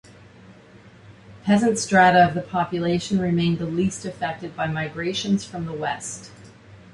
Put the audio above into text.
Peasant strata of the population remained the least affected by migrations from the west.